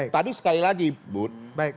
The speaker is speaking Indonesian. tadi sekali lagi bud